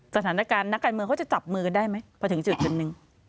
สถานการณ์นักการมือเขาจะจับมือได้ไหมเพราะถึงสิ่งที่อาจารย์หนึ่ง